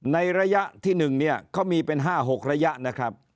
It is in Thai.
ในระยะที่๑เนี่ยเขามีเป็น๕๖ระยะนะครับ